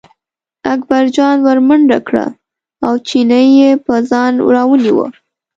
اکبرجان ور منډه کړه او چینی یې په ځان راونیوه.